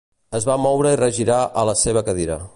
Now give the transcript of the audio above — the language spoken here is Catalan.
Es va moure i regirar a la seva cadira.